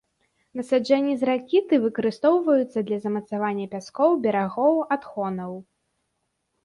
Насаджэнні з ракіты выкарыстоўваюцца для замацавання пяскоў, берагоў, адхонаў.